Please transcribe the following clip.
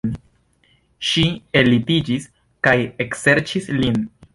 Ŝi ellitiĝis kaj ekserĉis lin.